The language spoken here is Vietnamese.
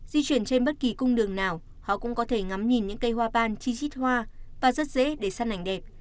di chuyển trên bất kỳ cung đường nào họ cũng có thể ngắm nhìn những cây hoa ban chi chít hoa và rất dễ để săn ảnh đẹp